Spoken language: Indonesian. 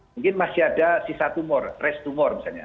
mungkin masih ada sisa tumor race tumor misalnya